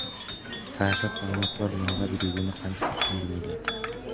Саясат тануучулар мындай биригүүнү кантип түшүндүрүүдө?